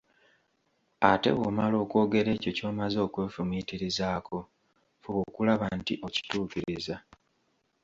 Ate bwomala okwogera ekyo ky'omaze okwefumiitirizaako, fuba okulaba nti okituukiriza.